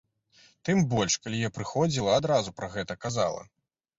Тым больш, калі я прыходзіла, адразу пра гэта казала.